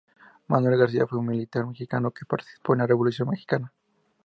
Manuel García fue un militar mexicano que participó en la Revolución mexicana.